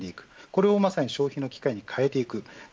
これを消費の機会に変えていく。